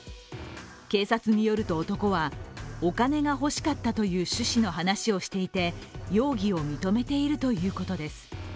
警察によると男は、お金が欲しかったという趣旨の話をしていて、容疑を認めているということです。